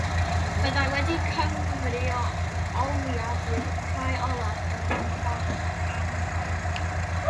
Byddai wedi cyfyngu eogiaid i'r rhai olaf yn yr holl afon.